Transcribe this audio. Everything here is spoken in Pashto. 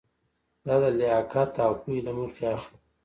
دا د لیاقت او پوهې له مخې اخلي.